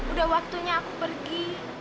udah waktunya aku pergi